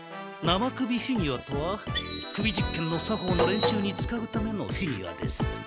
生首フィギュアとは首実検の作法の練習に使うためのフィギュアです。